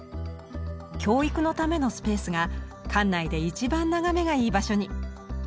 教育のためのスペースが館内で一番眺めがいい場所に。